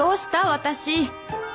私